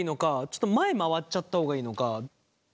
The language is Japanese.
ちょっと前回っちゃった方がいいのか。